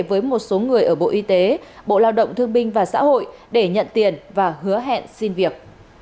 với một số người ở bộ y tế bộ lao động thương binh và xã hội để nhận tiền và hứa hẹn xin việc